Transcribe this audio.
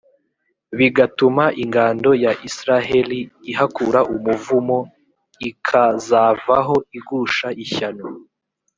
bigatuma ingando ya israheli ihakura umuvumo, ikazavaho igusha ishyano.